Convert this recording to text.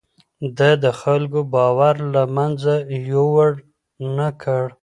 ده د خلکو باور له منځه يووړ نه کړ.